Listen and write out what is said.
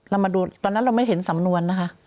เรามาดูตอนนั้นเราไม่เห็นสำนวนนะคะ